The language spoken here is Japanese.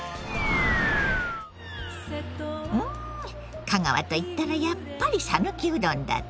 うん香川といったらやっぱり讃岐うどんだって？